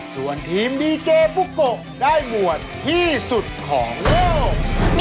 ส่วนทีมดีเจปุ๊กโกะได้หมวดที่สุดของโลก